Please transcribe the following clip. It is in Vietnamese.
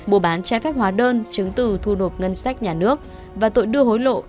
bùa bán che phép hóa đơn chứng từ thu nộp ngân sách nhà nước và tội đưa hối lộ